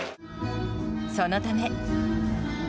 そのため。